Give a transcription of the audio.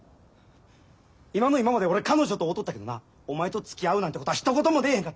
今の今まで俺彼女と会うとったけどなお前とつきあうなんてことはひと言も出えへんかった。